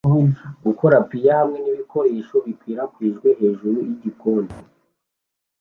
Abahungu b'ingimbi hagati yo gukora pie hamwe nibikoresho bikwirakwijwe hejuru yigikoni